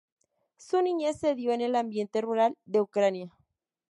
Su niñez se dio en el ambiente rural de Ucrania.